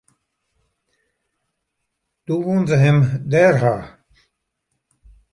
Doe woenen se him dêr ha.